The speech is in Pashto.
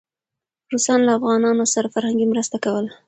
روسان له افغانانو سره فرهنګي مرسته کوله.